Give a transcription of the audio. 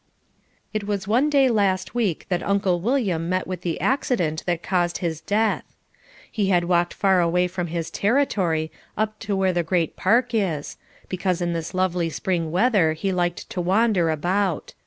It was one day last week that Uncle William met with the accident that caused his death. He had walked far away from his "territory" up to where the Great Park is, because in this lovely spring weather he liked to wander about.